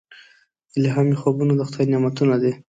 الهامي خوبونه د خدای نعمتونه دي.